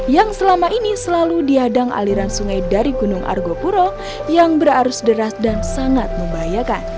yang selama ini selalu dihadang aliran sungai dari gunung argopuro yang berarus deras dan sangat membahayakan